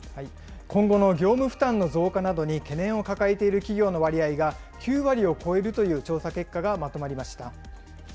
今後の業務負担の増加などに懸念を抱えている企業の割合が９割を超えるという調査結果がまとまりました。